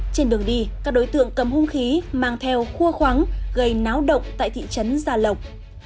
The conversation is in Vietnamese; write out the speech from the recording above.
trên đường đi các đối tượng cầm hung khí mang theo cua khoáng gây náo động tại thị trấn gia lộc